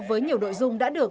với nhiều nội dung đã được